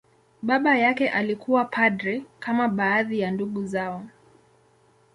Baba yake alikuwa padri, kama baadhi ya ndugu zao.